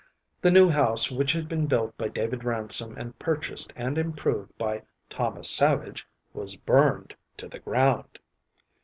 The new house which had been built by David Ransom and purchased and improved by Thomas Savage was burned to the ground.